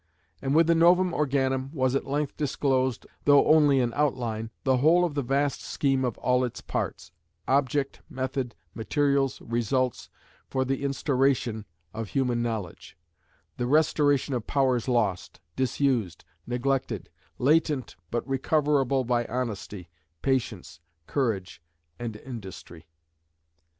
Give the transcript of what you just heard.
And with the Novum Organum was at length disclosed, though only in outline, the whole of the vast scheme in all its parts, object, method, materials, results, for the "Instauration" of human knowledge, the restoration of powers lost, disused, neglected, latent, but recoverable by honesty, patience, courage, and industry.